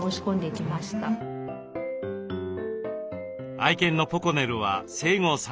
愛犬のポコネルは生後３か月。